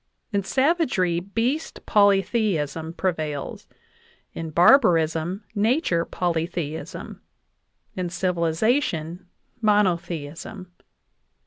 In savagery, beast poly theism prevails ; in barbarism, nature polytheism ; in civiliza tion, monotheism.